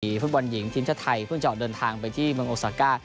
ฟุตบอลหญิงทีมชาติไทยเพิ่งจะออกเดินทางไปที่เมืองโอซาก้า